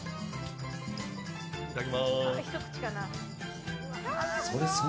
いただきます。